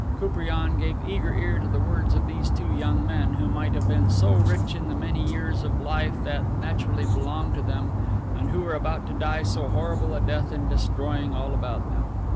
Koupriane gave eager ear to the words of these two young men, who might have been so rich in the many years of life that naturally belonged to them, and who were about to die so horrible a death in destroying all about them.